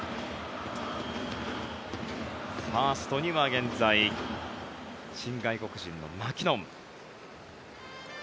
ファーストには現在新外国人のマキノン。